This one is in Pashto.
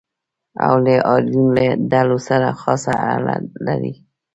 او له آریون ډلو سره خاصه اړه لري.